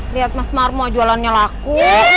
lihat mas marmo jualannya laku